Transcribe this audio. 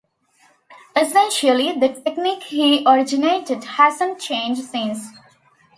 Essentially, the technique he originated hasn't changed since.